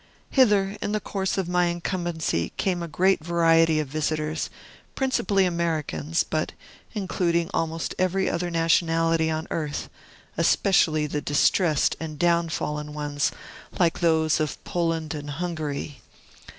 Hither, in the course of my incumbency, came a great variety of visitors, principally Americans, but including almost every other nationality on earth, especially the distressed and downfallen ones like those of Poland and Hungary.